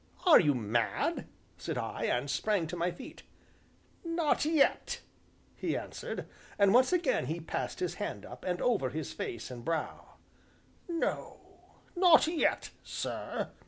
"Are you mad?" said I, and sprang to my feet. "Not yet," he answered, and once again he passed his hand up, and over his face and brow; "no, not yet, sir."